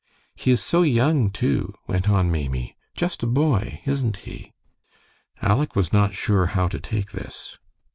"He is so young, too," went on Maimie. "Just a boy, isn't he?" Aleck was not sure how to take this.